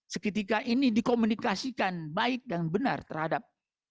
seketika ini dikomunikasikan baik dan benar terhadap